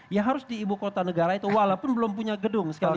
ya harus di ibu kota negara itu walaupun belum punya gedung sekalipun